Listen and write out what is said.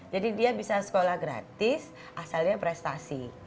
jadi dia bisa sekolah gratis asalnya prestasi